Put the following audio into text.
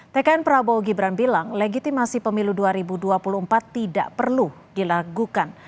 tkn prabowo gibran bilang legitimasi pemilu dua ribu dua puluh empat tidak perlu dilakukan